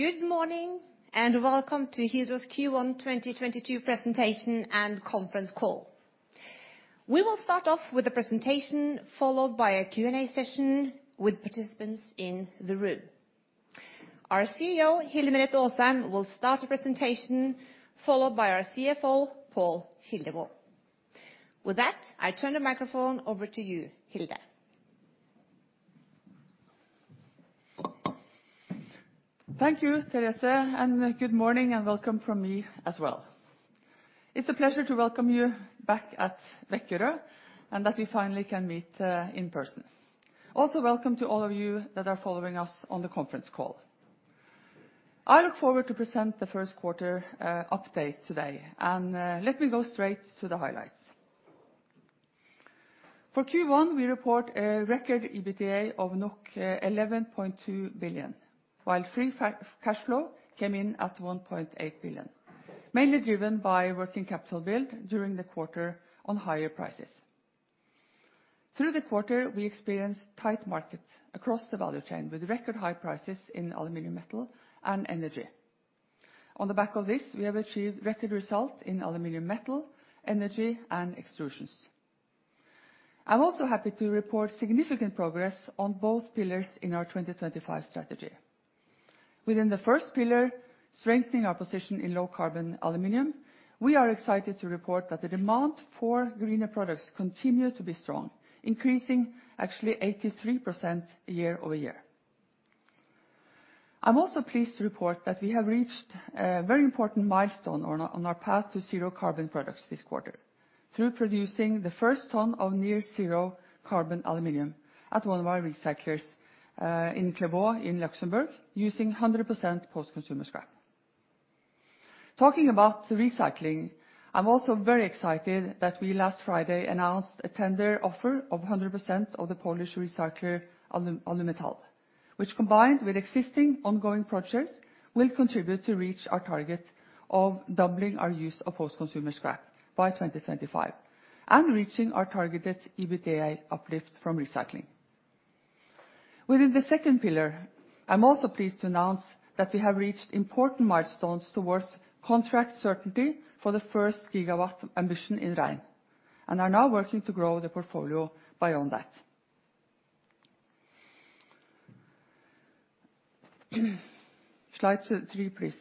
Good morning, and welcome to Hydro's Q1 2022 Presentation and Conference Call. We will start off with a presentation, followed by a Q&A session with participants in the room. Our CEO, Hilde Merete Aasheim, will start the presentation, followed by our CFO, Pål Kildemo. With that, I turn the microphone over to you, Hilde. Thank you, Therese, and good morning and welcome from me as well. It's a pleasure to welcome you back at Vækerø, and that we finally can meet in person. Also, welcome to all of you that are following us on the conference call. I look forward to present the first quarter update today, and let me go straight to the highlights. For Q1, we report a record EBITDA of 11.2 billion, while free cash flow came in at 1.8 billion, mainly driven by working capital build during the quarter on higher prices. Through the quarter, we experienced tight markets across the value chain, with record high prices in aluminum metal and energy. On the back of this, we have achieved record result in aluminum metal, energy, and extrusions. I'm also happy to report significant progress on both pillars in our 2025 strategy. Within the first pillar, strengthening our position in low-carbon aluminum, we are excited to report that the demand for greener products continue to be strong, increasing actually 83% year-over-year. I'm also pleased to report that we have reached a very important milestone on our path to zero carbon products this quarter through producing the first ton of near zero carbon aluminum at one of our recyclers in Clervaux in Luxembourg, using 100% post-consumer scrap. Talking about recycling, I'm also very excited that we last Friday announced a tender offer of 100% of the Polish recycler Alumetal, which combined with existing ongoing projects, will contribute to reach our target of doubling our use of post-consumer scrap by 2025 and reaching our targeted EBITDA uplift from recycling. Within the second pillar, I'm also pleased to announce that we have reached important milestones towards contract certainty for the first gigawatt of ambition in Hydro Rein, and are now working to grow the portfolio beyond that. Slide three, please.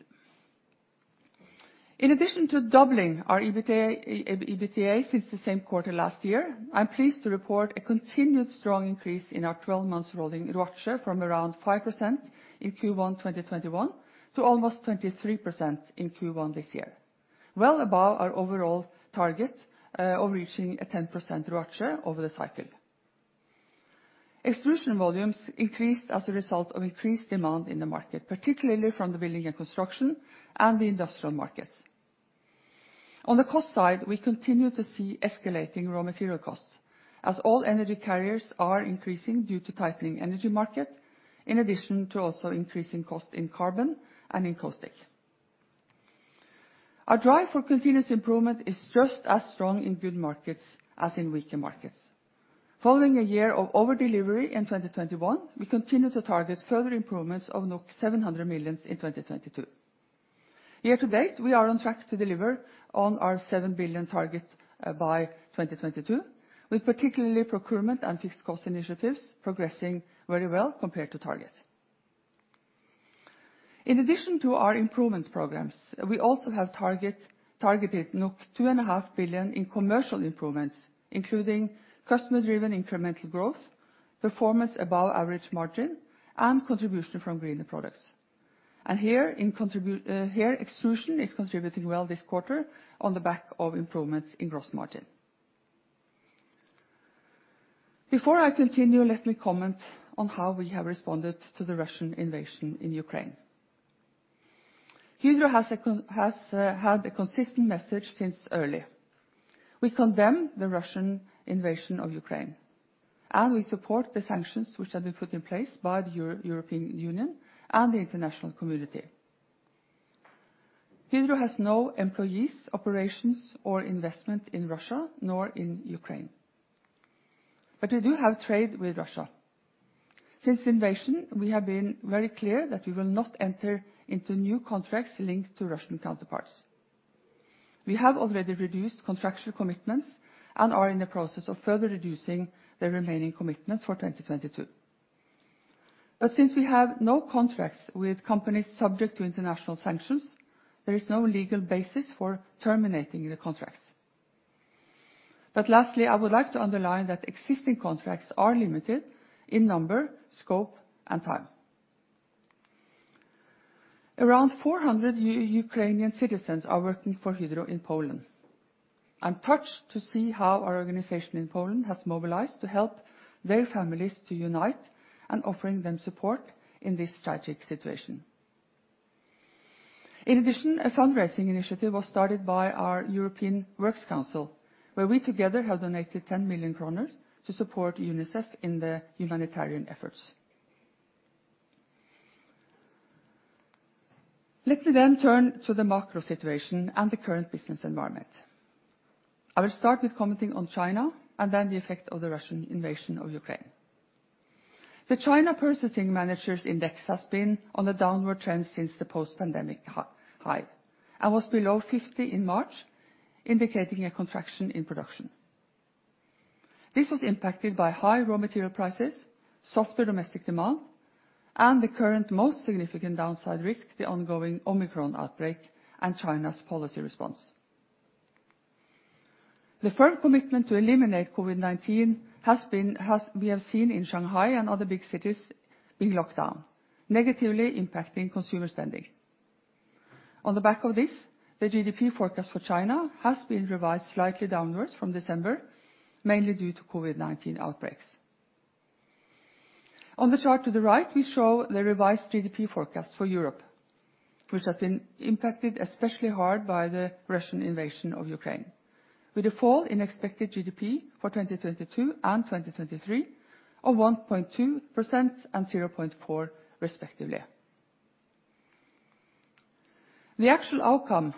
In addition to doubling our EBITDA since the same quarter last year, I'm pleased to report a continued strong increase in our 12 months rolling ROACE from around 5% in Q1 2021 to almost 23% in Q1 this year. Well above our overall target of reaching a 10% ROACE over the cycle. Extrusion volumes increased as a result of increased demand in the market, particularly from the building and construction and the industrial markets. On the cost side, we continue to see escalating raw material costs, as all energy carriers are increasing due to tightening energy market, in addition to also increasing cost in carbon and in caustic. Our drive for continuous improvement is just as strong in good markets as in weaker markets. Following a year of over-delivery in 2021, we continue to target further improvements of 700 million in 2022. Year to date, we are on track to deliver on our 7 billion target by 2022, with particularly procurement and fixed cost initiatives progressing very well compared to target. In addition to our improvement programs, we also have targeted 2.5 billion in commercial improvements, including customer-driven incremental growth, performance above average margin, and contribution from greener products. Here extrusion is contributing well this quarter on the back of improvements in gross margin. Before I continue, let me comment on how we have responded to the Russian invasion in Ukraine. Hydro has had a consistent message since early. We condemn the Russian invasion of Ukraine, and we support the sanctions which have been put in place by the European Union and the international community. Hydro has no employees, operations, or investment in Russia, nor in Ukraine. We do have trade with Russia. Since the invasion, we have been very clear that we will not enter into new contracts linked to Russian counterparts. We have already reduced contractual commitments and are in the process of further reducing the remaining commitments for 2022. Since we have no contracts with companies subject to international sanctions, there is no legal basis for terminating the contracts. Lastly, I would like to underline that existing contracts are limited in number, scope, and time. Around 400 Ukrainian citizens are working for Hydro in Poland. I'm touched to see how our organization in Poland has mobilized to help their families to unite and offering them support in this tragic situation. In addition, a fundraising initiative was started by our European Works Council, where we together have donated 10 million kroner to support UNICEF in the humanitarian efforts. Let me then turn to the macro situation and the current business environment. I will start with commenting on China and then the effect of the Russian invasion of Ukraine. The China Purchasing Managers' Index has been on a downward trend since the post-pandemic high, and was below 50 in March, indicating a contraction in production. This was impacted by high raw material prices, softer domestic demand, and the current most significant downside risk, the ongoing Omicron outbreak and China's policy response. The firm commitment to eliminate COVID-19 we have seen in Shanghai and other big cities being locked down, negatively impacting consumer spending. On the back of this, the GDP forecast for China has been revised slightly downwards from December, mainly due to COVID-19 outbreaks. On the chart to the right, we show the revised GDP forecast for Europe, which has been impacted especially hard by the Russian invasion of Ukraine, with a fall in expected GDP for 2022 and 2023 of 1.2% and 0.4% respectively. The actual outcome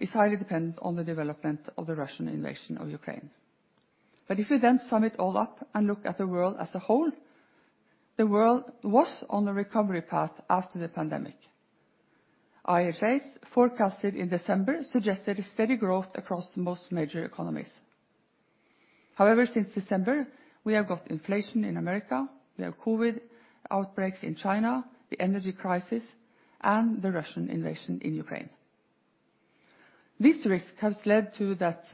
is highly dependent on the development of the Russian invasion of Ukraine. If you then sum it all up and look at the world as a whole, the world was on a recovery path after the pandemic. IHS forecasted in December, suggested a steady growth across most major economies. However, since December, we have got inflation in America, we have COVID outbreaks in China, the energy crisis, and the Russian invasion in Ukraine. These risks has led to that,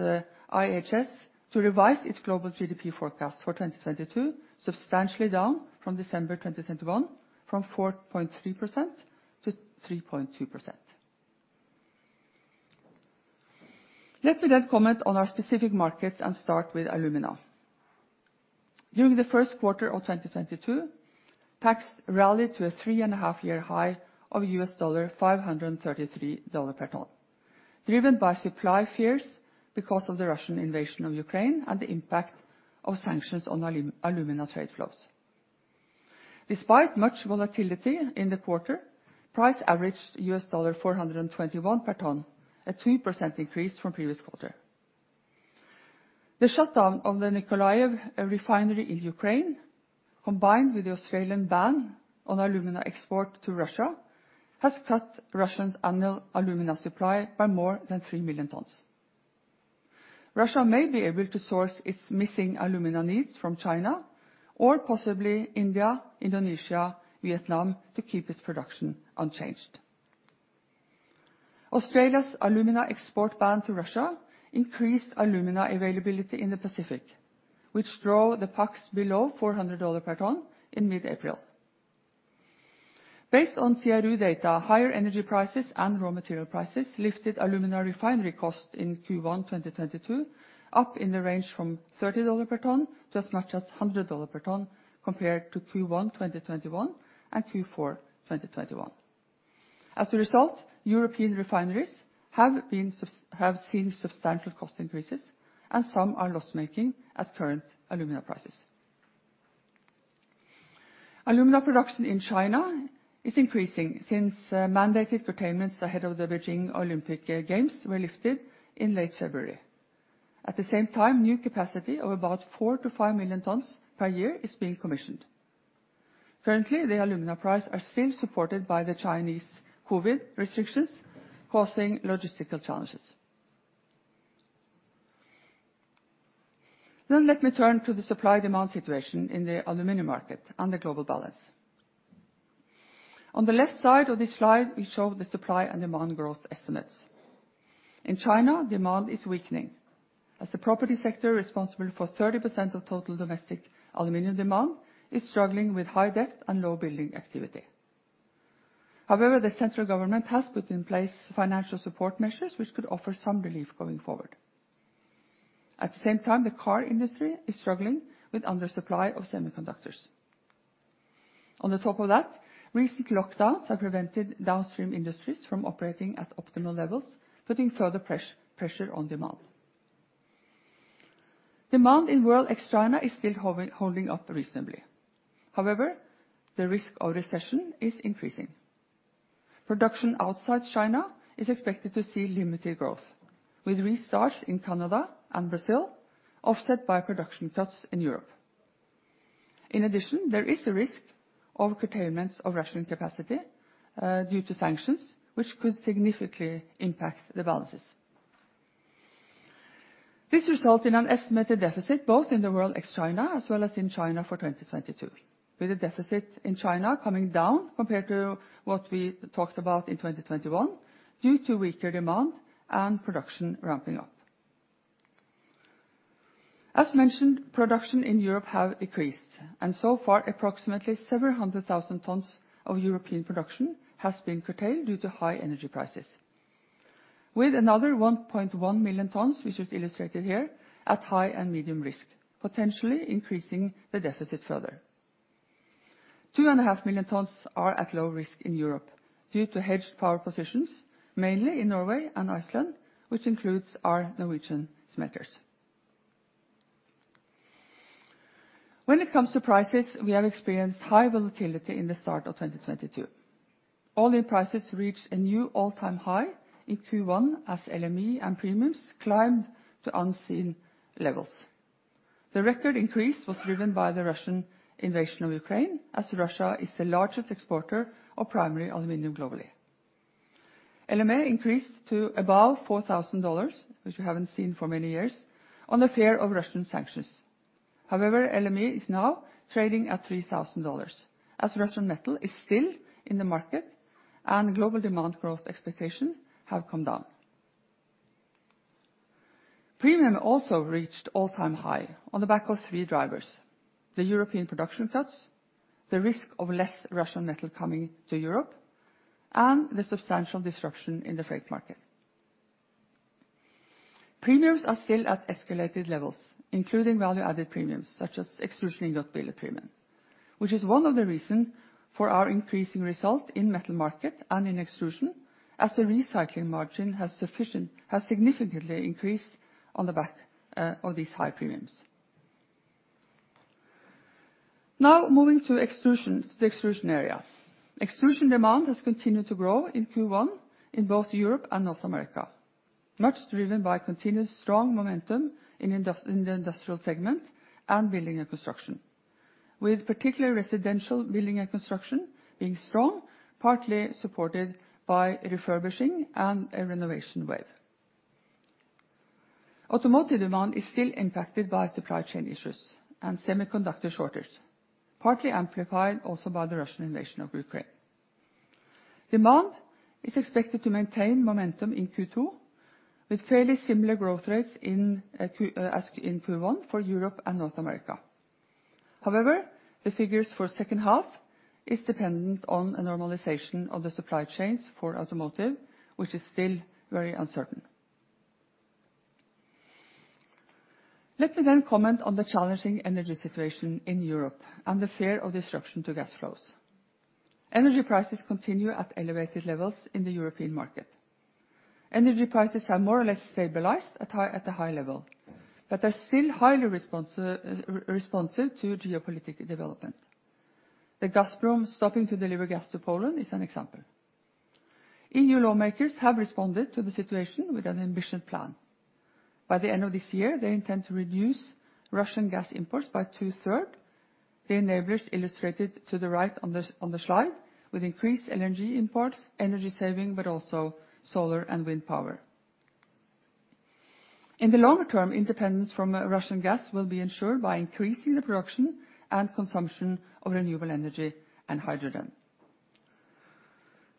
IHS to revise its global GDP forecast for 2022 substantially down from December 2021 from 4.3% to 3.2%. Let me then comment on our specific markets and start with alumina. During the first quarter of 2022, PAX rallied to a 3.5-year high of $533 per ton, driven by supply fears because of the Russian invasion of Ukraine and the impact of sanctions on alumina trade flows. Despite much volatility in the quarter, price averaged $421 per ton, a 2% increase from previous quarter. The shutdown of the Nikolaev refinery in Ukraine, combined with the Australian ban on alumina export to Russia, has cut Russia's annual alumina supply by more than 3 million tons. Russia may be able to source its missing alumina needs from China or possibly India, Indonesia, Vietnam to keep its production unchanged. Australia's alumina export ban to Russia increased alumina availability in the Pacific, which drove the PAX below $400 per ton in mid-April. Based on CRU data, higher energy prices and raw material prices lifted alumina refinery cost in Q1 2022 up in the range from $30 per ton to as much as $100 per ton compared to Q1 2021 and Q4 2021. As a result, European refineries have seen substantial cost increases, and some are loss-making at current alumina prices. Alumina production in China is increasing since mandated curtailments ahead of the Beijing Olympic Games were lifted in late February. At the same time, new capacity of about 4 to 5 million tons per year is being commissioned. Currently, the alumina prices are still supported by the Chinese COVID restrictions, causing logistical challenges. Let me turn to the supply demand situation in the aluminum market and the global balance. On the left side of this slide, we show the supply and demand growth estimates. In China, demand is weakening as the property sector responsible for 30% of total domestic aluminum demand is struggling with high debt and low building activity. However, the central government has put in place financial support measures which could offer some relief going forward. At the same time, the car industry is struggling with under supply of semiconductors. On the top of that, recent lockdowns have prevented downstream industries from operating at optimal levels, putting further pressure on demand. Demand in world ex-China is still holding up reasonably. However, the risk of recession is increasing. Production outside China is expected to see limited growth, with restarts in Canada and Brazil offset by production cuts in Europe. In addition, there is a risk of curtailments of Russian capacity due to sanctions which could significantly impact the balances. This result in an estimated deficit both in the world ex-China as well as in China for 2022, with a deficit in China coming down compared to what we talked about in 2021 due to weaker demand and production ramping up. As mentioned, production in Europe have decreased, and so far approximately 700,000 tons of European production has been curtailed due to high energy prices. With another 1.1 million tons, which is illustrated here, at high and medium risk, potentially increasing the deficit further. 2.5 million tons are at low risk in Europe due to hedged power positions, mainly in Norway and Iceland, which includes our Norwegian smelters. When it comes to prices, we have experienced high volatility in the start of 2022. All-in prices reached a new all-time high in Q1 as LME and premiums climbed to unseen levels. The record increase was driven by the Russian invasion of Ukraine, as Russia is the largest exporter of primary aluminum globally. LME increased to above $4,000, which we haven't seen for many years, on the fear of Russian sanctions. However, LME is now trading at $3,000, as Russian metal is still in the market and global demand growth expectations have come down. Premium also reached all-time high on the back of three drivers, the European production cuts, the risk of less Russian metal coming to Europe, and the substantial disruption in the freight market. Premiums are still at escalated levels, including value-added premiums such as extrusion ingots billet premium, which is one of the reason for our increasing result in metal market and in extrusion, as the recycling margin has significantly increased on the back of these high premiums. Now moving to extrusion, the extrusion area. Extrusion demand has continued to grow in Q1 in both Europe and North America, much driven by continuous strong momentum in the industrial segment and building and construction, with particular residential building and construction being strong, partly supported by refurbishing and a renovation wave. Automotive demand is still impacted by supply chain issues and semiconductor shortage, partly amplified also by the Russian invasion of Ukraine. Demand is expected to maintain momentum in Q2 with fairly similar growth rates in as in Q1 for Europe and North America. However, the figures for second half is dependent on a normalization of the supply chains for automotive, which is still very uncertain. Let me comment on the challenging energy situation in Europe and the fear of disruption to gas flows. Energy prices continue at elevated levels in the European market. Energy prices have more or less stabilized at a high level, but they're still highly responsive to geopolitical development. Gazprom stopping to deliver gas to Poland is an example. EU lawmakers have responded to the situation with an ambitious plan. By the end of this year, they intend to reduce Russian gas imports by two-thirds. The enablers illustrated to the right on the slide with increased energy imports, energy saving, but also solar and wind power. In the longer term, independence from Russian gas will be ensured by increasing the production and consumption of renewable energy and hydrogen.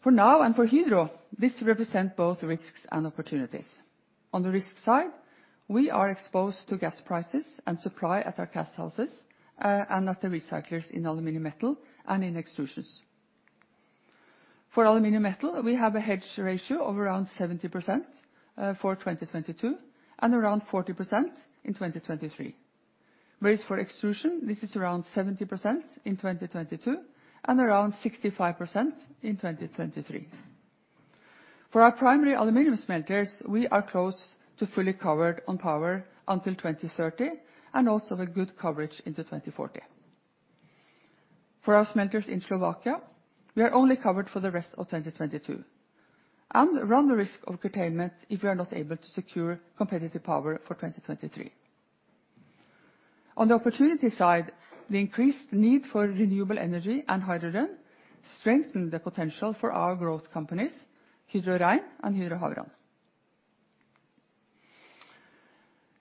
For now and for Hydro, this represent both risks and opportunities. On the risk side, we are exposed to gas prices and supply at our casthouses and at the recyclers in aluminum metal and in extrusions. For aluminum metal, we have a hedge ratio of around 70% for 2022 and around 40% in 2023. Whereas for extrusion, this is around 70% in 2022 and around 65% in 2023. For our primary aluminum smelters, we are close to fully covered on power until 2030 and also have a good coverage into 2040. For our smelters in Slovakia, we are only covered for the rest of 2022 and run the risk of curtailment if we are not able to secure competitive power for 2023. On the opportunity side, the increased need for renewable energy and hydrogen strengthen the potential for our growth companies, Hydro Rein and Hydro Havrand.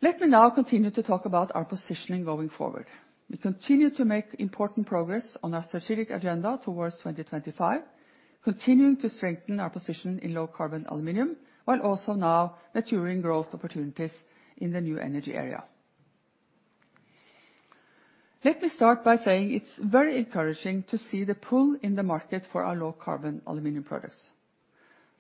Let me now continue to talk about our positioning going forward. We continue to make important progress on our strategic agenda towards 2025, continuing to strengthen our position in low carbon aluminum, while also now maturing growth opportunities in the new energy area. Let me start by saying it's very encouraging to see the pull in the market for our low carbon aluminum products.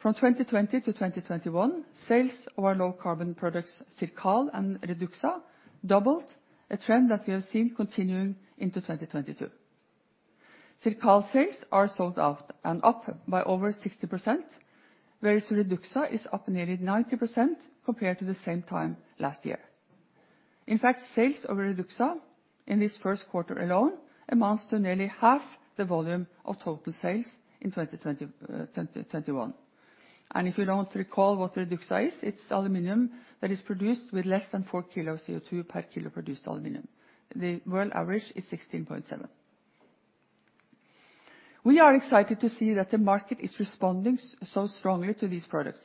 From 2020 to 2021, sales of our low carbon products, CIRCAL and Reduxa, doubled a trend that we have seen continuing into 2022. CIRCAL sales are sold out and up by over 60%, whereas Reduxa is up nearly 90% compared to the same time last year. In fact, sales of Reduxa in this first quarter alone amounts to nearly half the volume of total sales in 2020, twenty twenty-one. If you don't recall what Reduxa is, it's aluminum that is produced with less than 4 kilo of CO2 per kilo produced aluminum. The world average is 16.7. We are excited to see that the market is responding so strongly to these products,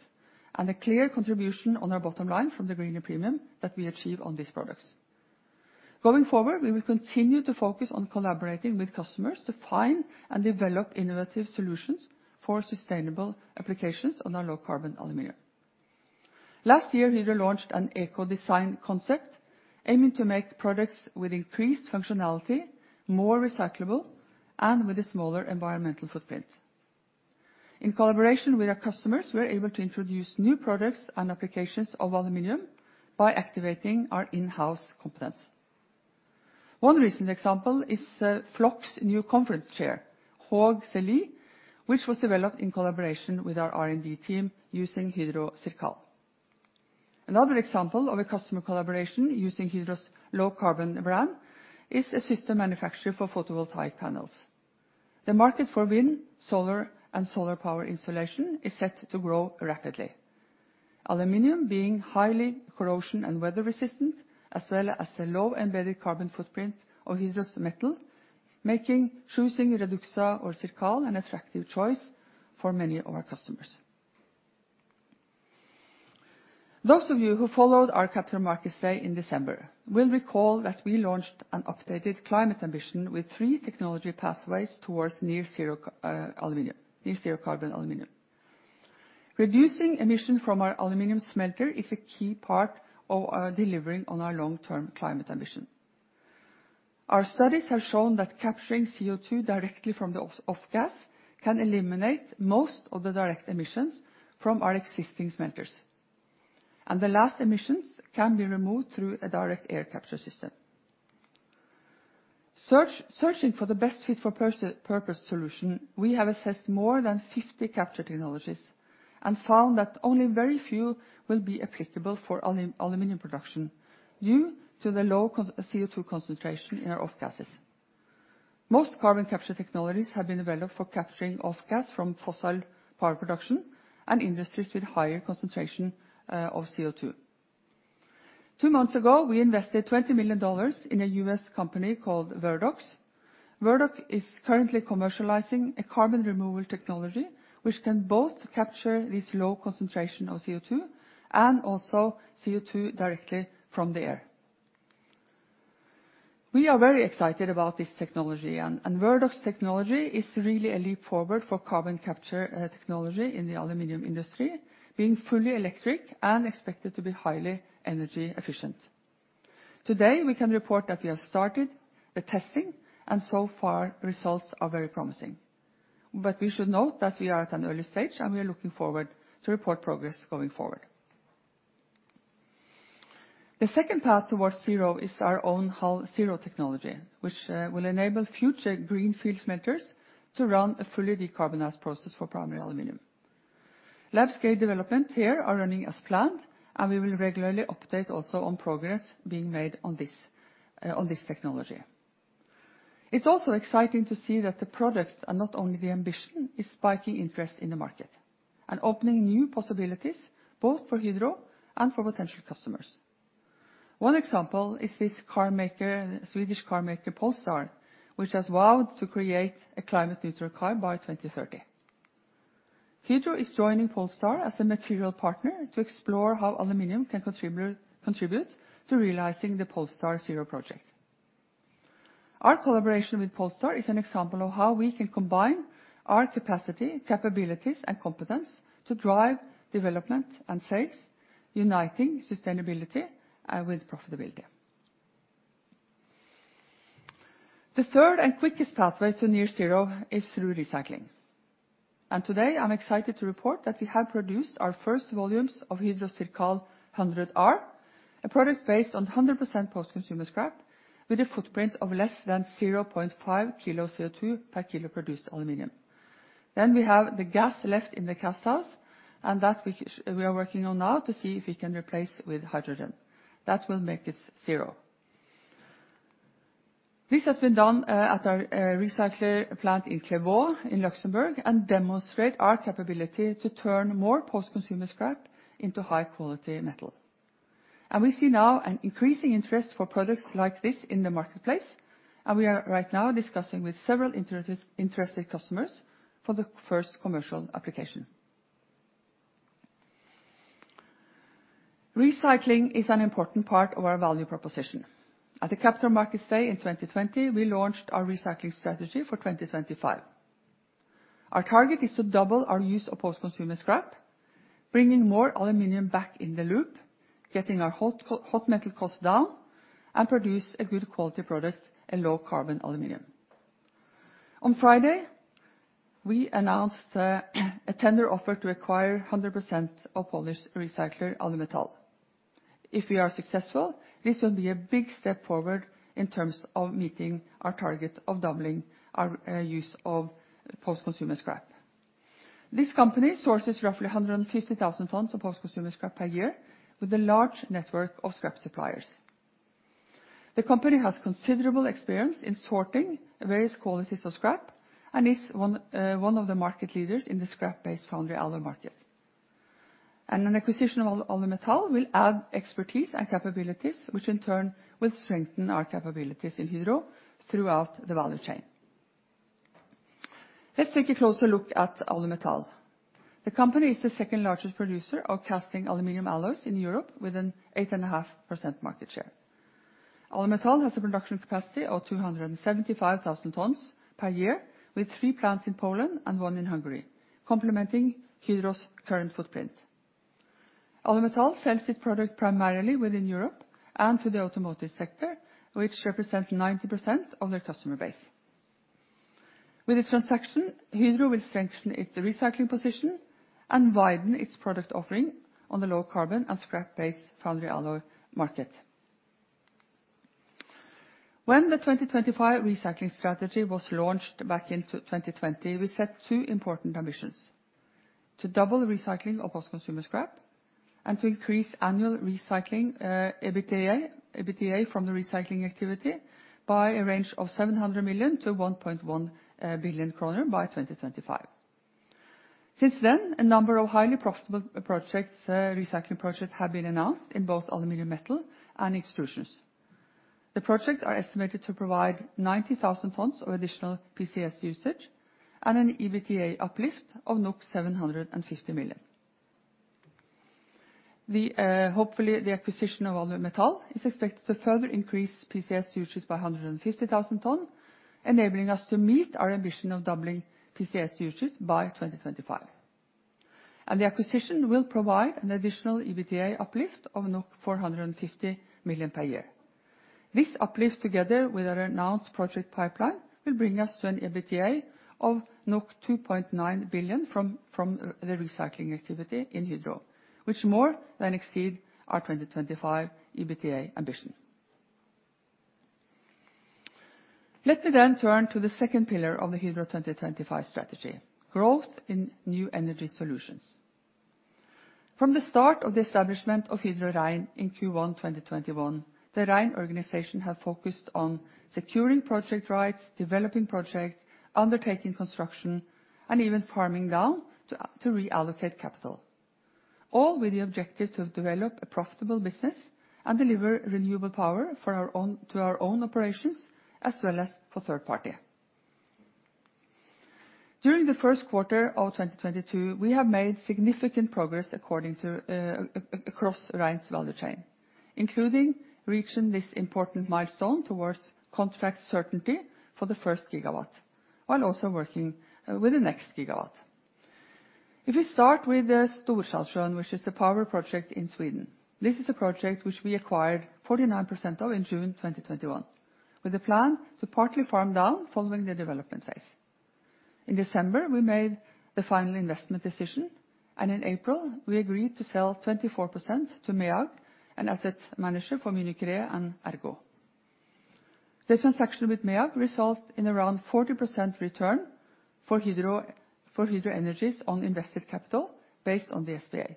and a clear contribution on our bottom line from the greener premium that we achieve on these products. Going forward, we will continue to focus on collaborating with customers to find and develop innovative solutions for sustainable applications on our low carbon aluminum. Last year, Hydro launched an eco-design concept aiming to make products with increased functionality, more recyclable, and with a smaller environmental footprint. In collaboration with our customers, we're able to introduce new products and applications of aluminum by activating our in-house competence. One recent example is Flokk's new conference chair, HÅG SoFi, which was developed in collaboration with our R&D team using Hydro CIRCAL. Another example of a customer collaboration using Hydro's low carbon brand is a system manufacturer for photovoltaic panels. The market for wind, solar and solar power installation is set to grow rapidly. Aluminum being highly corrosion and weather resistant, as well as the low embedded carbon footprint of Hydro's metal, making choosing Reduxa or CIRCAL an attractive choice for many of our customers. Those of you who followed our Capital Markets Day in December will recall that we launched an updated climate ambition with three technology pathways towards near zero aluminum, near zero carbon aluminum. Reducing emissions from our aluminum smelter is a key part of our delivering on our long-term climate ambition. Our studies have shown that capturing CO2 directly from the off-gas can eliminate most of the direct emissions from our existing smelters. The last emissions can be removed through a direct air capture system. Searching for the best fit for purpose solution, we have assessed more than 50 capture technologies, and found that only very few will be applicable for aluminum production due to the low CO2 concentration in our off-gases. Most carbon capture technologies have been developed for capturing off-gas from fossil power production and industries with higher concentration of CO2. Two months ago, we invested $20 million in a U.S. company called Verdox. Verdox is currently commercializing a carbon removal technology which can both capture this low concentration of CO2 and also CO2 directly from the air. We are very excited about this technology. Verdox technology is really a leap forward for carbon capture technology in the aluminum industry, being fully electric and expected to be highly energy efficient. Today, we can report that we have started the testing, and so far results are very promising. We should note that we are at an early stage, and we are looking forward to report progress going forward. The second path towards zero is our own HalZero technology, which will enable future greenfield smelters to run a fully decarbonized process for primary aluminum. Lab scale development here are running as planned, and we will regularly update also on progress being made on this, on this technology. It's also exciting to see that the products are not only the ambition is spiking interest in the market and opening new possibilities both for Hydro and for potential customers. One example is this carmaker, Swedish carmaker Polestar, which has vowed to create a climate neutral car by 2030. Hydro is joining Polestar as a material partner to explore how aluminum can contribute to realizing the Polestar 0 project. Our collaboration with Polestar is an example of how we can combine our capacity, capabilities, and competence to drive development and sales, uniting sustainability with profitability. The third and quickest pathway to near zero is through recycling. Today, I'm excited to report that we have produced our first volumes of Hydro CIRCAL 100R, a product based on 100% post-consumer scrap with a footprint of less than 0.5 kilo of CO2 per kilo produced aluminum. We have the gas left in the cast house, and that we are working on now to see if we can replace with hydrogen. That will make it zero. This has been done at our recycler plant in Clervaux in Luxembourg and demonstrate our capability to turn more post-consumer scrap into high quality metal. We see now an increasing interest for products like this in the marketplace, and we are right now discussing with several interested customers for the first commercial application. Recycling is an important part of our value proposition. At the Capital Markets Day in 2020, we launched our recycling strategy for 2025. Our target is to double our use of post-consumer scrap, bringing more aluminum back in the loop, getting our hot metal costs down, and produce a good quality product, a low carbon aluminum. On Friday, we announced a tender offer to acquire 100% of Polish recycler Alumetal. If we are successful, this will be a big step forward in terms of meeting our target of doubling our use of post-consumer scrap. This company sources roughly 150,000 tons of post-consumer scrap per year with a large network of scrap suppliers. The company has considerable experience in sorting various qualities of scrap and is one of the market leaders in the scrap-based foundry alloy market. An acquisition of Alumetal will add expertise and capabilities, which in turn will strengthen our capabilities in Hydro throughout the value chain. Let's take a closer look at Alumetal. The company is the second largest producer of casting aluminum alloys in Europe with an 8.5% market share. Alumetal has a production capacity of 275,000 tons per year with three plants in Poland and one in Hungary, complementing Hydro's current footprint. Alumetal sells its product primarily within Europe and to the automotive sector, which represent 90% of their customer base. With the transaction, Hydro will strengthen its recycling position and widen its product offering on the low carbon and scrap-based foundry alloy market. When the 2025 recycling strategy was launched back in 2020, we set two important ambitions, to double the recycling of post-consumer scrap and to increase annual recycling EBITDA from the recycling activity by a range of 700 million to 1.1 billion kroner by 2025. Since then, a number of highly profitable recycling projects have been announced in both aluminum metal and extrusions. The projects are estimated to provide 90,000 tons of additional PCS usage and an EBITDA uplift of 750 million. The acquisition of Alumetal is expected to further increase PCS usage by 150,000 tons, enabling us to meet our ambition of doubling PCS usage by 2025. The acquisition will provide an additional EBITDA uplift of 450 million per year. This uplift, together with our announced project pipeline, will bring us to an EBITDA of NOK 2.9 billion from the recycling activity in Hydro, which more than exceed our 2025 EBITDA ambition. Let me then turn to the second pillar of the Hydro 2025 strategy, growth in new energy solutions. From the start of the establishment of Hydro Rein in Q1 2021, the Rein organization have focused on securing project rights, developing projects, undertaking construction, and even farming down to reallocate capital, all with the objective to develop a profitable business and deliver renewable power for our own, to our own operations as well as for third party. During the first quarter of 2022, we have made significant progress across Rein's value chain, including reaching this important milestone towards contract certainty for the first gigawatt, while also working with the next gigawatt. If we start with Storsjöan, which is the power project in Sweden, this is a project which we acquired 49% of in June 2021, with a plan to partly farm down following the development phase. In December, we made the final investment decision, and in April, we agreed to sell 24% to MEAG, an asset manager for Munich Re and ERGO. The transaction with MEAG result in around 40% return for Hydro, for Hydro Energy on invested capital based on the SPA.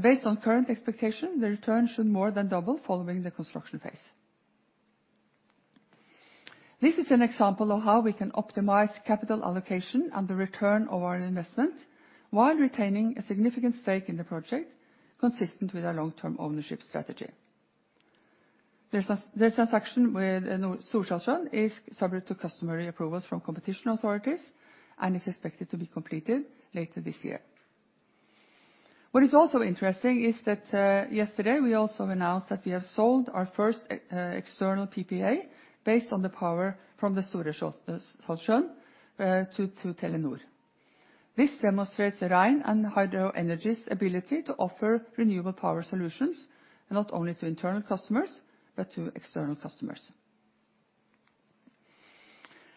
Based on current expectation, the return should more than double following the construction phase. This is an example of how we can optimize capital allocation and the return of our investment while retaining a significant stake in the project consistent with our long-term ownership strategy. The transaction with Storsjöan is subject to customary approvals from competition authorities and is expected to be completed later this year. What is also interesting is that yesterday we also announced that we have sold our first external PPA based on the power from the Storsjöan to Telenor. This demonstrates Hydro Rein and Hydro Energy's ability to offer renewable power solutions not only to internal customers, but to external customers.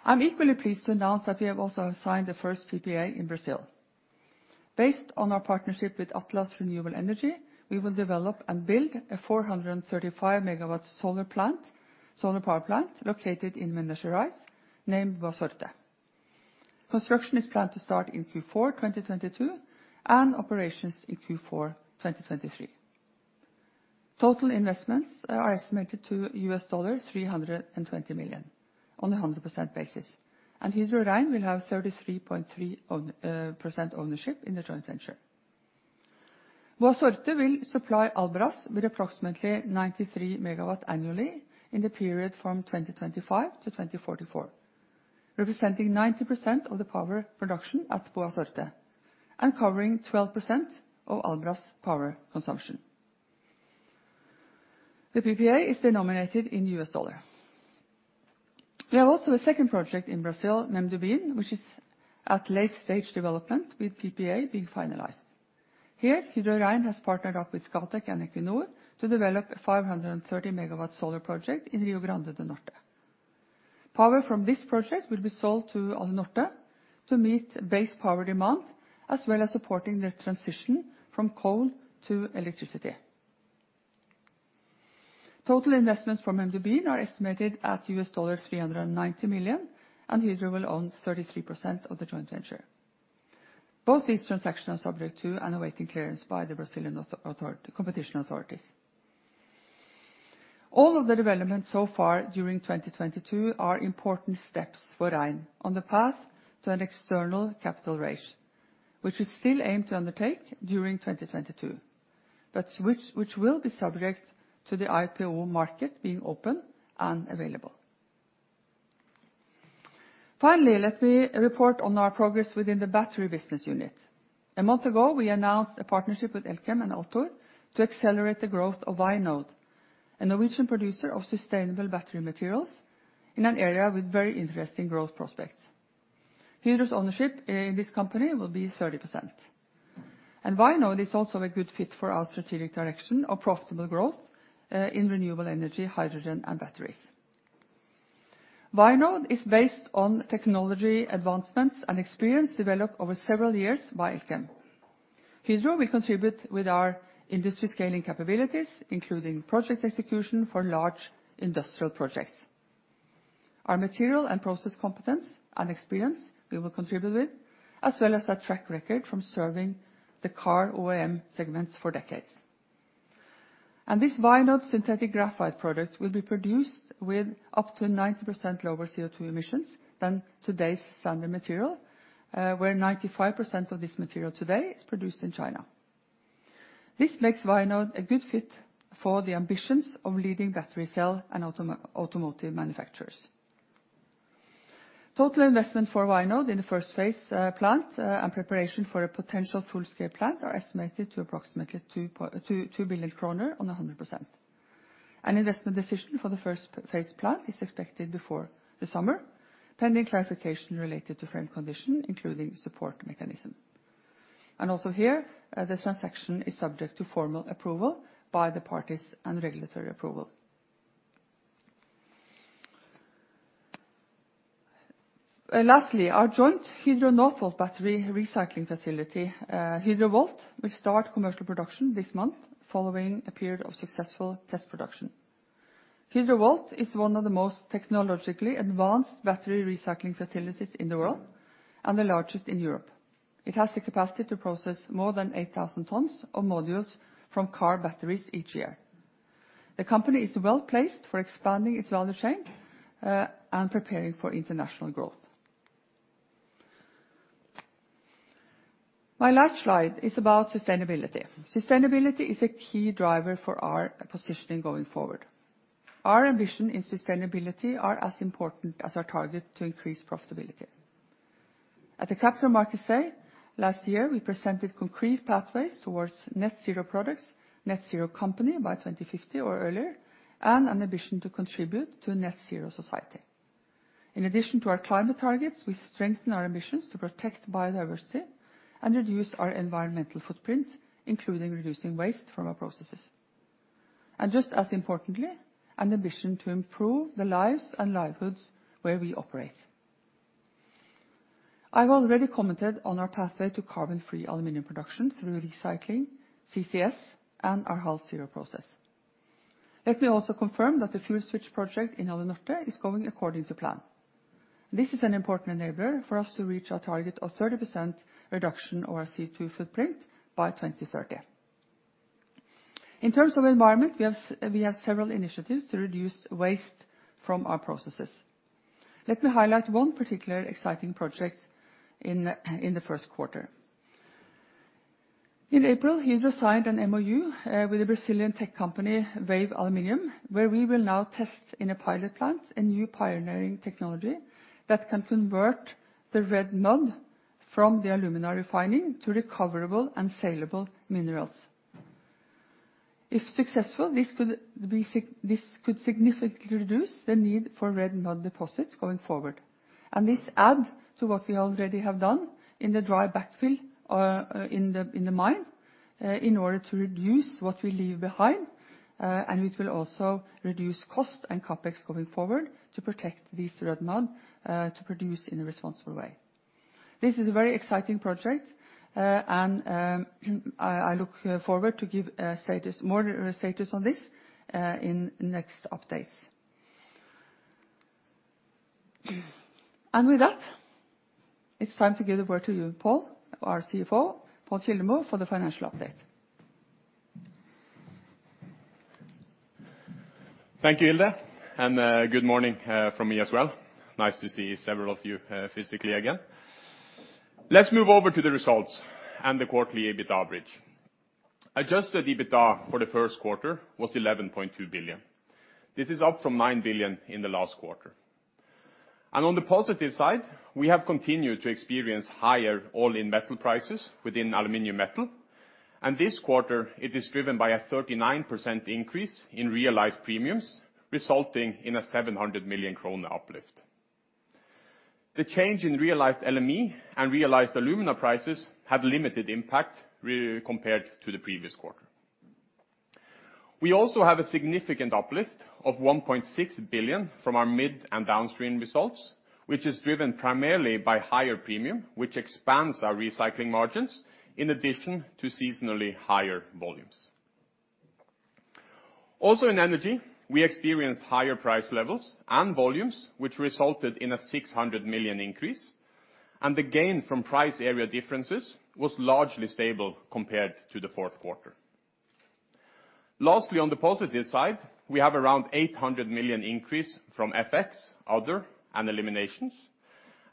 I'm equally pleased to announce that we have also signed the first PPA in Brazil. Based on our partnership with Atlas Renewable Energy, we will develop and build a 435-MW solar plant, solar power plant located in Minas Gerais named Boa Sorte. Construction is planned to start in Q4 2022 and operations in Q4 2023. Total investments are estimated to $320 million on a 100% basis, and Hydro Rein will have 33.3% ownership in the joint venture. Boa Sorte will supply Albras with approximately 93 MW annually in the period from 2025 to 2044, representing 90% of the power production at Boa Sorte and covering 12% of Albras' power consumption. The PPA is denominated in US dollar. We have also a second project in Brazil, Mendubim, which is at late stage development with PPA being finalized. Here, Hydro Rein has partnered up with Scatec and Equinor to develop a 530 MW solar project in Rio Grande do Norte. Power from this project will be sold to Alunorte to meet base power demand as well as supporting the transition from coal to electricity. Total investments from Mendubim are estimated at $390 million, and Hydro will own 33% of the joint venture. Both these transactions are subject to and awaiting clearance by the Brazilian competition authorities. All of the development so far during 2022 are important steps for Rein on the path to an external capital raise, which we still aim to undertake during 2022, but which will be subject to the IPO market being open and available. Finally, let me report on our progress within the battery business unit. A month ago, we announced a partnership with Elkem and Altor to accelerate the growth of Vianode, a Norwegian producer of sustainable battery materials in an area with very interesting growth prospects. Hydro's ownership in this company will be 30%. Vianode is also a good fit for our strategic direction of profitable growth in renewable energy, hydrogen, and batteries. Vianode is based on technology advancements and experience developed over several years by Elkem. Hydro, we contribute with our industry scaling capabilities, including project execution for large industrial projects. Our material and process competence and experience, we will contribute with, as well as our track record from serving the car OEM segments for decades. This Vianode synthetic graphite product will be produced with up to 90% lower CO2 emissions than today's standard material, where 95% of this material today is produced in China. This makes Vianode a good fit for the ambitions of leading battery cell and automotive manufacturers. Total investment for Vianode in the first phase plant and preparation for a potential full-scale plant are estimated to approximately 2 billion kroner on a 100%. An investment decision for the first phase plant is expected before the summer, pending clarification related to framework conditions, including support mechanism. Also here, the transaction is subject to formal approval by the parties and regulatory approval. Lastly, our joint Hydrovolt battery recycling facility, Hydrovolt, will start commercial production this month following a period of successful test production. Hydrovolt is one of the most technologically advanced battery recycling facilities in the world and the largest in Europe. It has the capacity to process more than 8,000 tons of modules from car batteries each year. The company is well-placed for expanding its value chain and preparing for international growth. My last slide is about sustainability. Sustainability is a key driver for our positioning going forward. Our ambition in sustainability are as important as our target to increase profitability. At the Capital Markets Day last year, we presented concrete pathways towards net zero products, net zero company by 2050 or earlier, and an ambition to contribute to a net zero society. In addition to our climate targets, we strengthen our ambitions to protect biodiversity and reduce our environmental footprint, including reducing waste from our processes. Just as importantly, an ambition to improve the lives and livelihoods where we operate. I've already commented on our pathway to carbon free aluminum production through recycling, CCS, and our HalZero process. Let me also confirm that the fuel switch project in Alunorte is going according to plan. This is an important enabler for us to reach our target of 30% reduction of our CO2 footprint by 2030. In terms of environment, we have several initiatives to reduce waste from our processes. Let me highlight one particular exciting project in the first quarter. In April, Hydro signed an MOU with a Brazilian tech company, Wave Aluminium, where we will now test in a pilot plant a new pioneering technology that can convert the red mud from the alumina refining to recoverable and saleable minerals. If successful, this could significantly reduce the need for red mud deposits going forward. This add to what we already have done in the dry backfill in the mine in order to reduce what we leave behind, and it will also reduce cost and CapEx going forward to protect this red mud to produce in a responsible way. This is a very exciting project, and I look forward to give status, more status on this in next updates. With that, it's time to give the word to you, Pål, our CFO, Pål Kildemo, for the financial update. Thank you, Hilde, and good morning from me as well. Nice to see several of you physically again. Let's move over to the results and the quarterly EBITDA bridge. Adjusted EBITDA for the first quarter was 11.2 billion. This is up from 9 billion in the last quarter. On the positive side, we have continued to experience higher all-in metal prices within aluminum metal. This quarter, it is driven by a 39% increase in realized premiums, resulting in a 700 million kroner uplift. The change in realized LME and realized alumina prices had limited impact compared to the previous quarter. We also have a significant uplift of 1.6 billion from our mid and downstream results, which is driven primarily by higher premium, which expands our recycling margins in addition to seasonally higher volumes. Also in energy, we experienced higher price levels and volumes, which resulted in a 600 million increase, and the gain from price area differences was largely stable compared to the fourth quarter. Lastly, on the positive side, we have around 800 million increase from FX, other, and eliminations,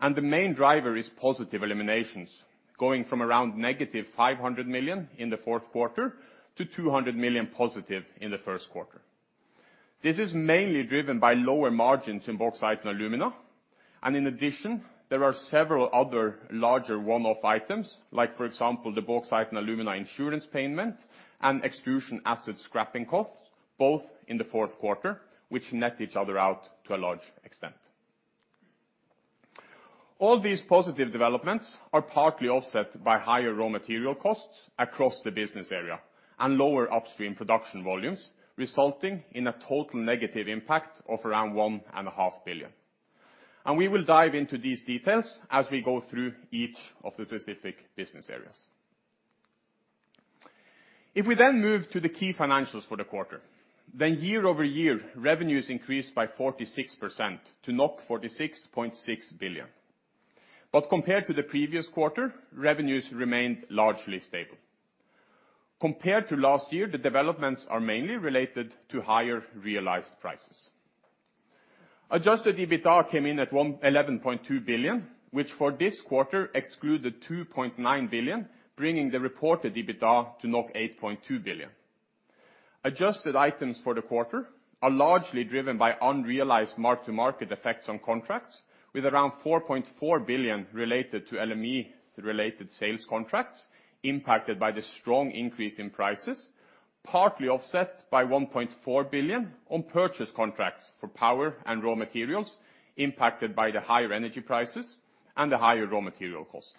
and the main driver is positive eliminations, going from around -500 million in the fourth quarter to 200 million positive in the first quarter. This is mainly driven by lower margins in bauxite and alumina, and in addition, there are several other larger one-off items, like for example, the bauxite and alumina insurance payment and extrusion acid scrapping costs, both in the fourth quarter, which net each other out to a large extent. All these positive developments are partly offset by higher raw material costs across the business area and lower upstream production volumes, resulting in a total negative impact of around 1.5 billion. We will dive into these details as we go through each of the specific business areas. If we then move to the key financials for the quarter, year-over-year revenues increased by 46% to 46.6 billion. Compared to the previous quarter, revenues remained largely stable. Compared to last year, the developments are mainly related to higher realized prices. Adjusted EBITDA came in at 111.2 billion, which for this quarter excluded 2.9 billion, bringing the reported EBITDA to 8.2 billion. Adjusted items for the quarter are largely driven by unrealized mark-to-market effects on contracts, with around 4.4 billion related to LME-related sales contracts impacted by the strong increase in prices, partly offset by 1.4 billion on purchase contracts for power and raw materials impacted by the higher energy prices and the higher raw material cost.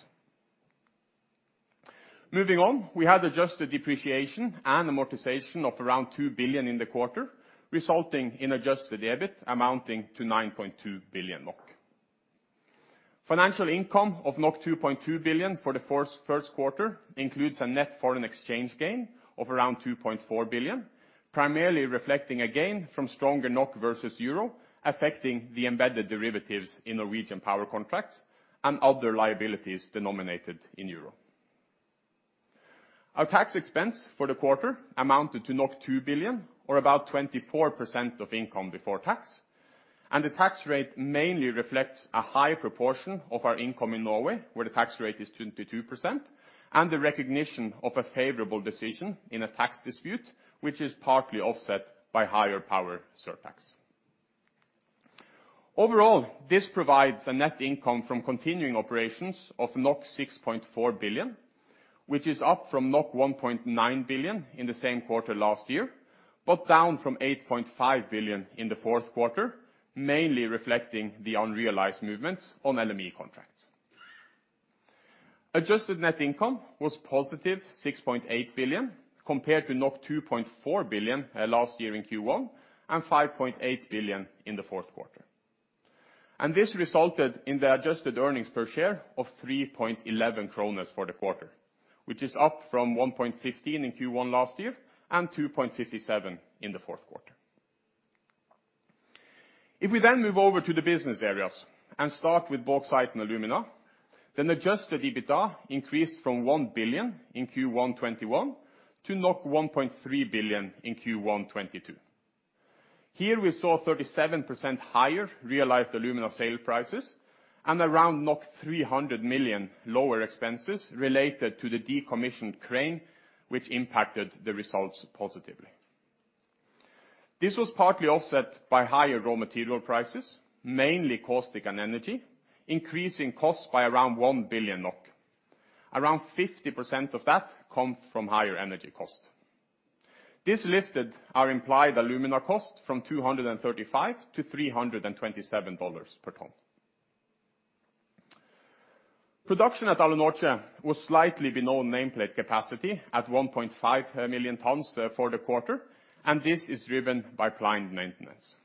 Moving on, we had adjusted depreciation and amortization of around 2 billion in the quarter, resulting in adjusted EBIT amounting to 9.2 billion NOK. Financial income of 2.2 billion for the first quarter includes a net foreign exchange gain of around 2.4 billion, primarily reflecting a gain from stronger NOK versus euro, affecting the embedded derivatives in Norwegian power contracts and other liabilities denominated in euro. Our tax expense for the quarter amounted to 2 billion, or about 24% of income before tax. The tax rate mainly reflects a high proportion of our income in Norway, where the tax rate is 22%, and the recognition of a favorable decision in a tax dispute, which is partly offset by higher power surtax. Overall, this provides a net income from continuing operations of 6.4 billion, which is up from 1.9 billion in the same quarter last year, but down from 8.5 billion in the fourth quarter, mainly reflecting the unrealized movements on LME contracts. Adjusted net income was positive 6.8 billion, compared to 2.4 billion last year in Q1, and 5.8 billion in the fourth quarter. This resulted in the adjusted earnings per share of 3.11 kroner for the quarter, which is up from 1.15 NOK in Q1 last year and 2.57 NOK in the fourth quarter. If we then move over to the business areas and start with bauxite and alumina, then adjusted EBITDA increased from 1 billion in Q1 2021 to 1.3 billion in Q1 2022. Here we saw 37% higher realized alumina sale prices and around 300 million lower expenses related to the decommissioned crane, which impacted the results positively. This was partly offset by higher raw material prices, mainly caustic and energy, increasing costs by around 1 billion NOK. Around 50% of that comes from higher energy costs. This lifted our implied alumina cost from $23 to 327 per ton. Production at Alunorte was slightly below nameplate capacity at 1.5 million tons for the quarter, and this is driven by planned maintenance.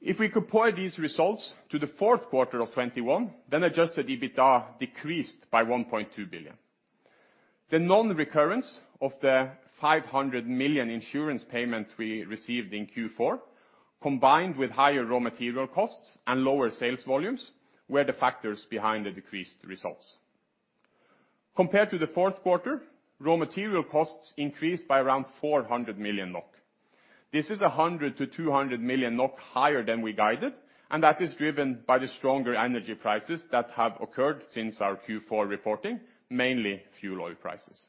If we compare these results to the fourth quarter of 2021, then adjusted EBITDA decreased by 1.2 billion. The non-recurrence of the 500 million insurance payment we received in Q4, combined with higher raw material costs and lower sales volumes, were the factors behind the decreased results. Compared to the fourth quarter, raw material costs increased by around 400 million NOK. This is 100 to 200 million higher than we guided, and that is driven by the stronger energy prices that have occurred since our Q4 reporting, mainly fuel oil prices.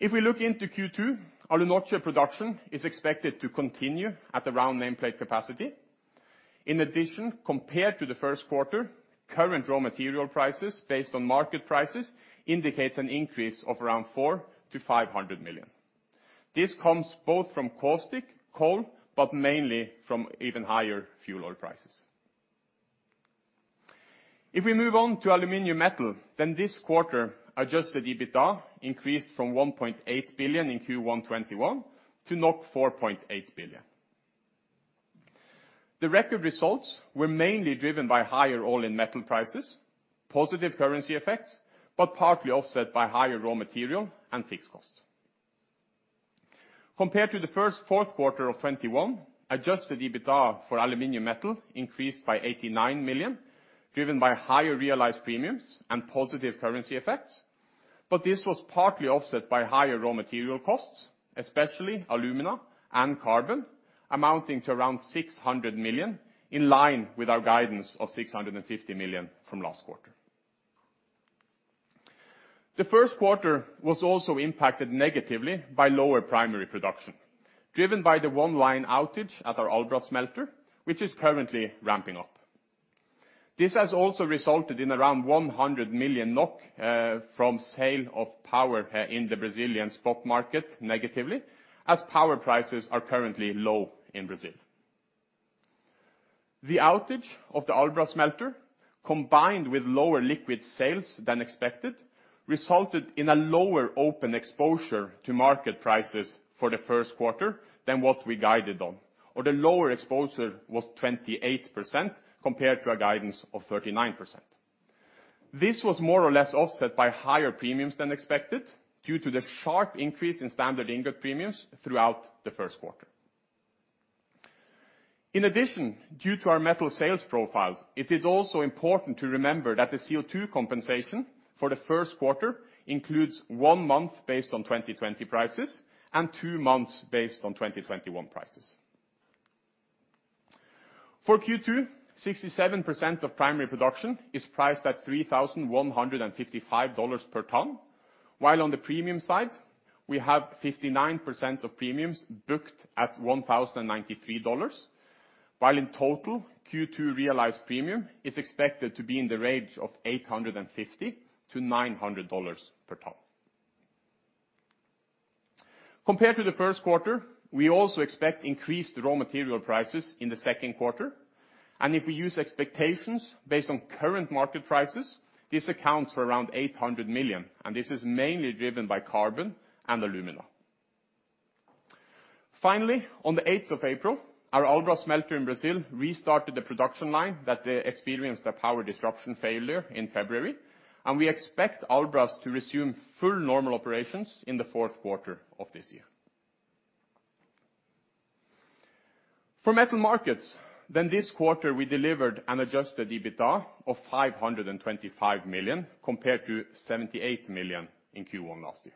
If we look into Q2, Alunorte production is expected to continue at around nameplate capacity. In addition, compared to the first quarter, current raw material prices based on market prices indicates an increase of around 400-500 million. This comes both from caustic, coal, but mainly from even higher fuel oil prices. If we move on to aluminum metal, this quarter, adjusted EBITDA increased from 1.8 billion in Q1 2021 to 4.8 billion. The record results were mainly driven by higher all-in metal prices, positive currency effects, but partly offset by higher raw material and fixed cost. Compared to the fourth quarter of 2021, adjusted EBITDA for aluminum metal increased by 89 million, driven by higher realized premiums and positive currency effects. This was partly offset by higher raw material costs, especially alumina and carbon, amounting to around 600 million, in line with our guidance of 650 million from last quarter. The first quarter was also impacted negatively by lower primary production, driven by the one line outage at our Albras smelter, which is currently ramping up. This has also resulted in around 100 million NOK from sale of power in the Brazilian spot market negatively, as power prices are currently low in Brazil. The outage of the Albras smelter, combined with lower liquid sales than expected, resulted in a lower open exposure to market prices for the first quarter than what we guided on. Or the lower exposure was 28% compared to our guidance of 39%. This was more or less offset by higher premiums than expected due to the sharp increase in standard ingot premiums throughout the first quarter. In addition, due to our metal sales profiles, it is also important to remember that the CO2 compensation for the first quarter includes one month based on 2020 prices and two months based on 2021 prices. For Q2, 67% of primary production is priced at $3,155 per ton, while on the premium side, we have 59% of premiums booked at $1,093. While in total, Q2 realized premium is expected to be in the range of $850 to 900 per ton. Compared to the first quarter, we also expect increased raw material prices in the second quarter. If we use expectations based on current market prices, this accounts for around 800 million, and this is mainly driven by carbon and alumina. Finally, on the eighth of April, our Albras smelter in Brazil restarted the production line that experienced a power disruption failure in February, and we expect Albras to resume full normal operations in the fourth quarter of this year. For metal markets, then this quarter we delivered an adjusted EBITDA of 525 million compared to 78 million in Q1 last year.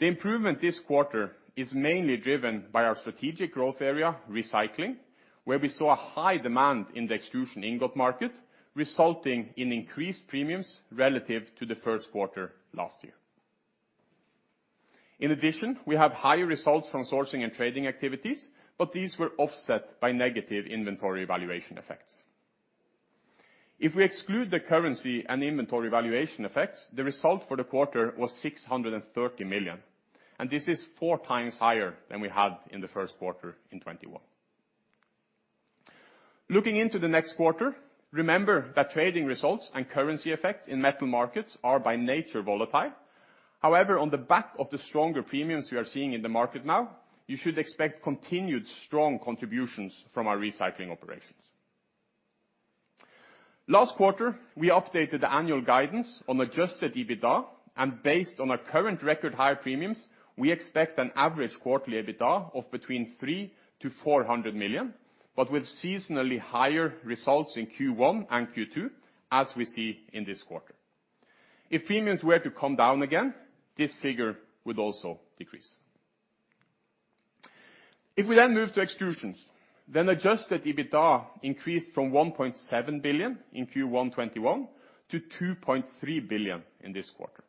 The improvement this quarter is mainly driven by our strategic growth area, recycling, where we saw a high demand in the extrusion ingot market, resulting in increased premiums relative to the first quarter last year. In addition, we have higher results from sourcing and trading activities, but these were offset by negative inventory valuation effects. If we exclude the currency and inventory valuation effects, the result for the quarter was 630 million, and this is four times higher than we had in the first quarter in 2021. Looking into the next quarter, remember that trading results and currency effects in metal markets are by nature volatile. However, on the back of the stronger premiums we are seeing in the market now, you should expect continued strong contributions from our recycling operations. Last quarter, we updated the annual guidance on adjusted EBITDA, and based on our current record high premiums, we expect an average quarterly EBITDA of between 300 million-400 million, but with seasonally higher results in Q1 and Q2, as we see in this quarter. If premiums were to come down again, this figure would also decrease. If we move to Extrusions, adjusted EBITDA increased from 1.7 billion in Q1 2021 to 2.3 billion in this quarter.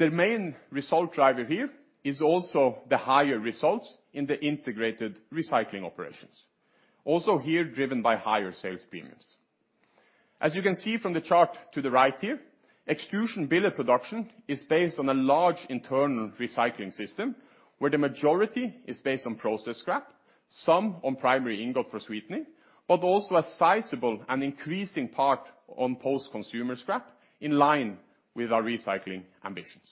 The main result driver here is also the higher results in the integrated recycling operations, also here driven by higher sales premiums. As you can see from the chart to the right here, extrusion billet production is based on a large internal recycling system, where the majority is based on process scrap, some on primary ingot for sweetening, but also a sizable and increasing part on post-consumer scrap in line with our recycling ambitions.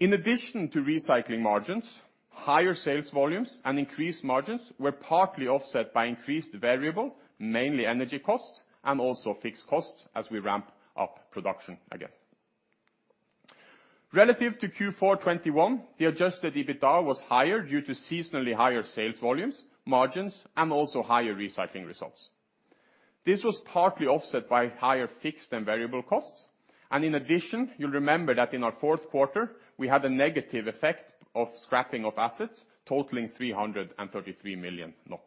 In addition to recycling margins, higher sales volumes and increased margins were partly offset by increased variable costs, mainly energy costs, and also fixed costs as we ramp up production again. Relative to Q4 2021, the adjusted EBITDA was higher due to seasonally higher sales volumes, margins, and also higher recycling results. This was partly offset by higher fixed and variable costs. In addition, you'll remember that in our fourth quarter, we had a negative effect of scrapping of assets totaling 333 million NOK.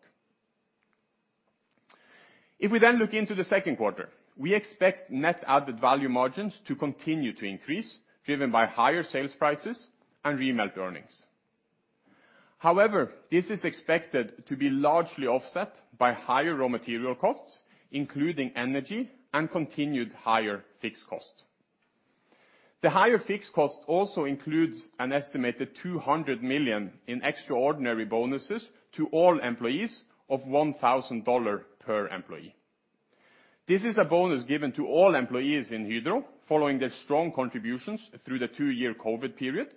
If we then look into the second quarter, we expect net added value margins to continue to increase, driven by higher sales prices and remelt earnings. However, this is expected to be largely offset by higher raw material costs, including energy and continued higher fixed cost. The higher fixed cost also includes an estimated 200 million in extraordinary bonuses to all employees of $1,000 per employee. This is a bonus given to all employees in Hydro following their strong contributions through the two-year COVID period.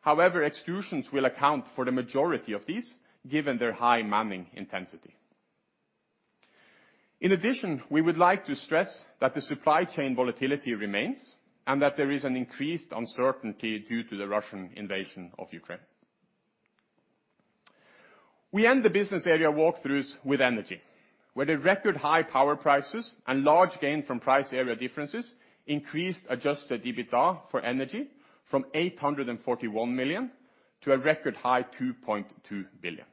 However, Extrusions will account for the majority of these, given their high manning intensity. In addition, we would like to stress that the supply chain volatility remains and that there is an increased uncertainty due to the Russian invasion of Ukraine. We end the business area walkthroughs with Energy, where the record high power prices and large gain from price area differences increased adjusted EBITDA for Energy from 841 million to a record high 2.2 billion.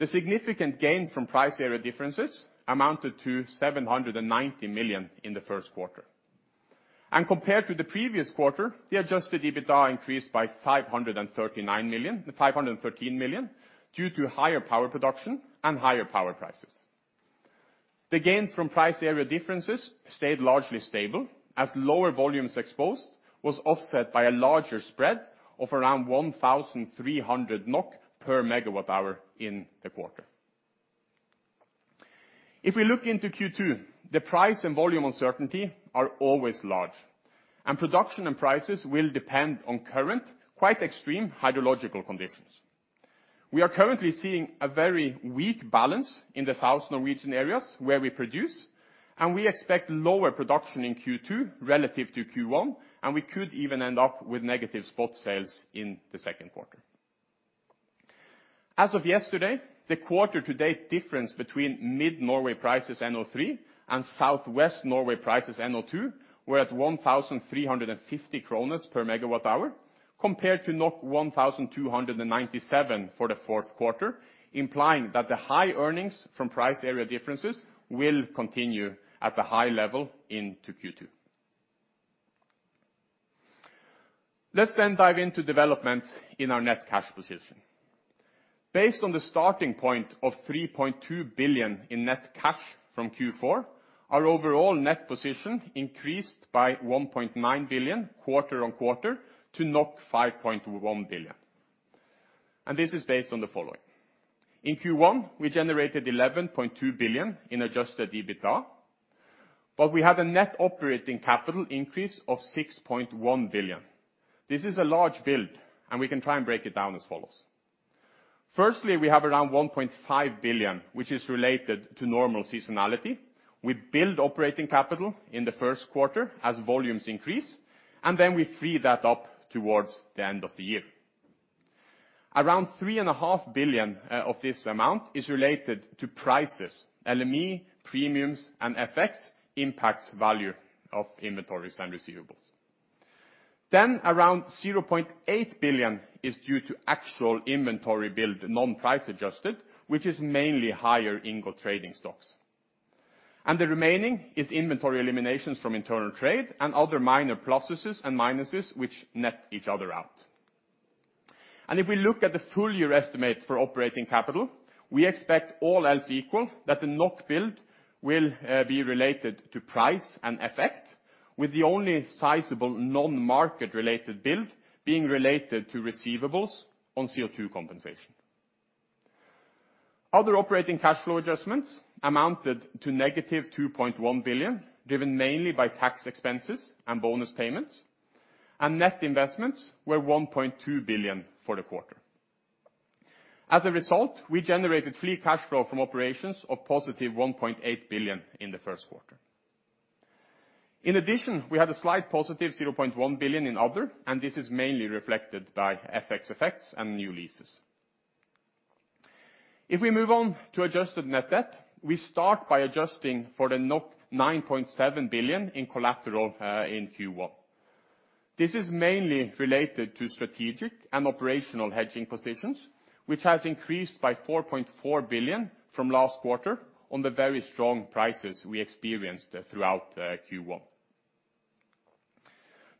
The significant gain from price area differences amounted to 790 million in the first quarter. Compared to the previous quarter, the adjusted EBITDA increased by 513 million, due to higher power production and higher power prices. The gain from price area differences stayed largely stable, as lower volumes exposed was offset by a larger spread of around 1,300 NOK per MW hour in the quarter. If we look into Q2, the price and volume uncertainty are always large, and production and prices will depend on current, quite extreme hydrological conditions. We are currently seeing a very weak balance in the South Norwegian areas where we produce, and we expect lower production in Q2 relative to Q1, and we could even end up with negative spot sales in the second quarter. As of yesterday, the quarter-to-date difference between mid Norway prices NO3 and South West Norway prices NO2 were at 1,350 kroner per MW hour compared to 1,297 for the fourth quarter, implying that the high earnings from price area differences will continue at a high level into Q2. Let's then dive into developments in our net cash position. Based on the starting point of 3.2 billion in net cash from Q4, our overall net position increased by 1.9 billion quarter-on-quarter to 5.1 billion. This is based on the following. In Q1, we generated 11.2 billion in adjusted EBITDA, but we had a net operating capital increase of 6.1 billion. This is a large build, and we can try and break it down as follows. Firstly, we have around 1.5 billion, which is related to normal seasonality. We build operating capital in the first quarter as volumes increase, and then we free that up towards the end of the year. Around 3.5 billion of this amount is related to prices, LME, premiums, and FX impacts value of inventories and receivables. Then around 0.8 billion is due to actual inventory build non-price adjusted, which is mainly higher ingot trading stocks. The remaining is inventory eliminations from internal trade and other minor pluses and minuses which net each other out. If we look at the full year estimate for operating capital, we expect all else equal that the NOK build will be related to price and effect, with the only sizable non-market-related build being related to receivables on CO2 compensation. Other operating cash flow adjustments amounted to negative 2.1 billion, driven mainly by tax expenses and bonus payments. Net investments were 1.2 billion for the quarter. As a result, we generated free cash flow from operations of positive 1.8 billion in the first quarter. In addition, we had a slight positive 0.1 billion in other, and this is mainly reflected by FX effects and new leases. If we move on to adjusted net debt, we start by adjusting for the 9.7 billion in collateral in Q1. This is mainly related to strategic and operational hedging positions, which has increased by 4.4 billion from last quarter on the very strong prices we experienced throughout Q1.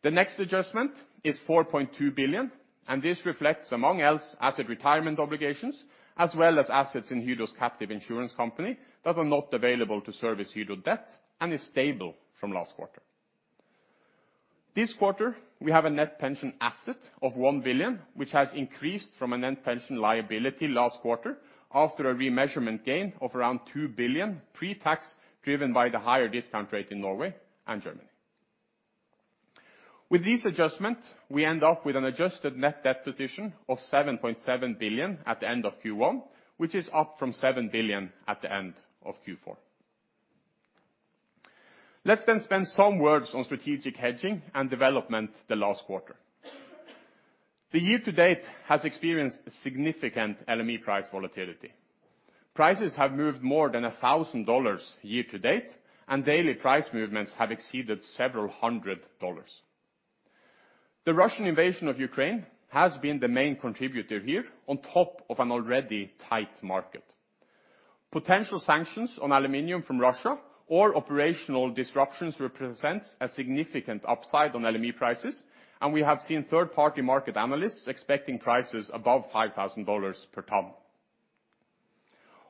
The next adjustment is 4.2 billion, and this reflects, among else, asset retirement obligations, as well as assets in Hydro's captive insurance company that are not available to service Hydro debt and is stable from last quarter. This quarter, we have a net pension asset of 1 billion, which has increased from a net pension liability last quarter after a remeasurement gain of around 2 billion pre-tax driven by the higher discount rate in Norway and Germany. With this adjustment, we end up with an adjusted net debt position of 7.7 billion at the end of Q1, which is up from 7 billion at the end of Q4. Let's spend some words on strategic hedging and development in the last quarter. The year to date has experienced significant LME price volatility. Prices have moved more than $1,000 year to date, and daily price movements have exceeded several hundred dollars. The Russian invasion of Ukraine has been the main contributor here on top of an already tight market. Potential sanctions on aluminum from Russia or operational disruptions represents a significant upside on LME prices, and we have seen third-party market analysts expecting prices above $5,000 per ton.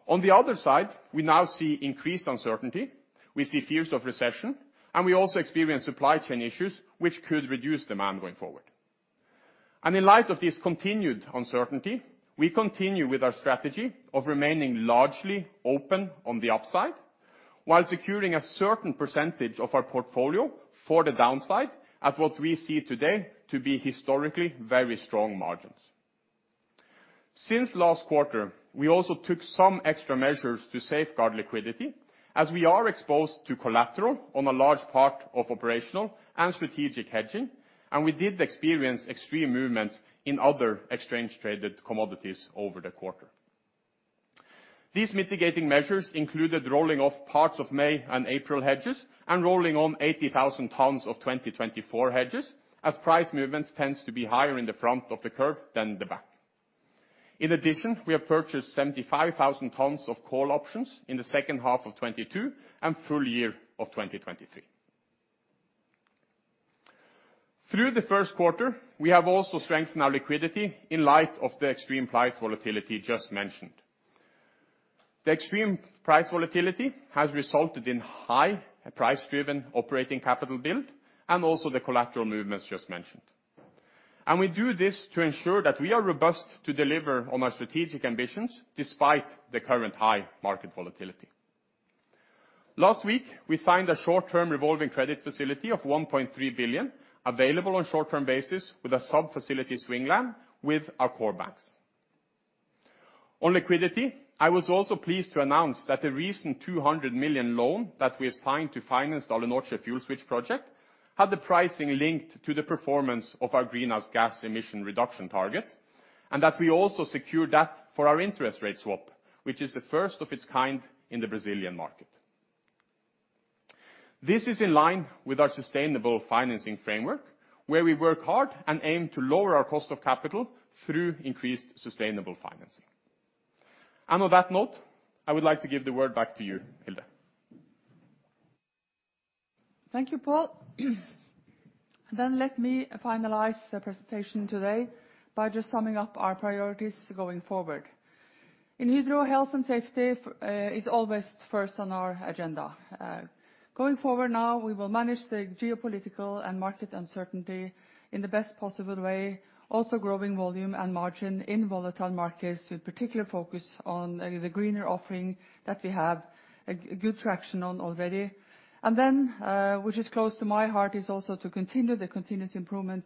On the other side, we now see increased uncertainty, we see fears of recession, and we also experience supply chain issues which could reduce demand going forward. In light of this continued uncertainty, we continue with our strategy of remaining largely open on the upside while securing a certain percentage of our portfolio for the downside at what we see today to be historically very strong margins. Since last quarter, we also took some extra measures to safeguard liquidity as we are exposed to collateral on a large part of operational and strategic hedging, and we did experience extreme movements in other exchange traded commodities over the quarter. These mitigating measures included rolling off parts of May and April hedges and rolling on 80,000 tons of 2024 hedges as price movements tends to be higher in the front of the curve than the back. In addition, we have purchased 75,000 tons of call options in the second half of 2022 and full year of 2023. Through the first quarter, we have also strengthened our liquidity in light of the extreme price volatility just mentioned. The extreme price volatility has resulted in high price-driven operating capital build and also the collateral movements just mentioned. We do this to ensure that we are robust to deliver on our strategic ambitions despite the current high market volatility. Last week, we signed a short-term revolving credit facility of 1.3 billion available on short-term basis with a sub-facility swingline with our core banks. On liquidity, I was also pleased to announce that the recent 200 million loan that we have signed to finance the Alunorte fuel switch project had the pricing linked to the performance of our greenhouse gas emission reduction target, and that we also secured that for our interest rate swap, which is the first of its kind in the Brazilian market. This is in line with our sustainable financing framework, where we work hard and aim to lower our cost of capital through increased sustainable financing. On that note, I would like to give the word back to you, Hilde. Thank you, Pål. Let me finalize the presentation today by just summing up our priorities going forward. In Hydro, health and safety is always first on our agenda. Going forward now, we will manage the geopolitical and market uncertainty in the best possible way, also growing volume and margin in volatile markets, with particular focus on the greener offering that we have a good traction on already. Which is close to my heart, is also to continue the continuous improvement,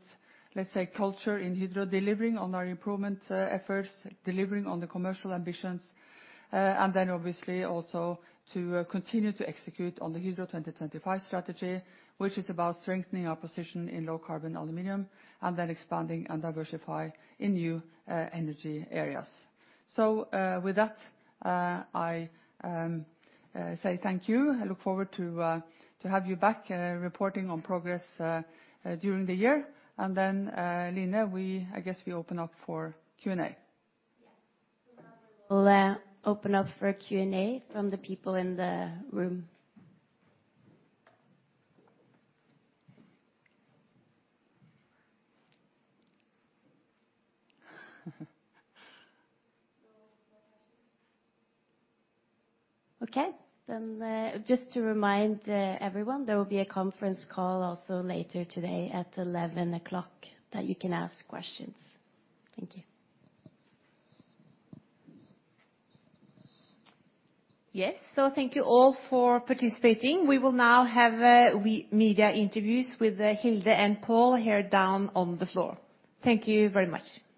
let's say, culture in Hydro, delivering on our improvement efforts, delivering on the commercial ambitions, and then obviously also to continue to execute on the Hydro 2025 strategy, which is about strengthening our position in low carbon aluminum and then expanding and diversify in new energy areas. With that, I say thank you. I look forward to have you back reporting on progress during the year. Line, I guess we open up for Q&A. Yes. We'll open up for Q&A from the people in the room. Okay, then, just to remind everyone, there will be a conference call also later today at 11:00 that you can ask questions. Thank you. Yes. Thank you all for participating. We will now have media interviews with Hilde and Pål here down on the floor. Thank you very much.